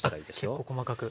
結構細かく。